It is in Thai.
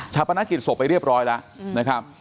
ฉบพนักกิจปกติไปได้เรียบร้อยแล้ว